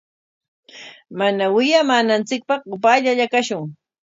Mana wiyamananchikpaq upaallalla kashun.